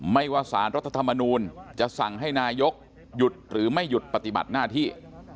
ไม่ว่าสารรัฐธรรมนูลจะสั่งให้นายกหยุดหรือไม่หยุดปฏิบัติหน้าที่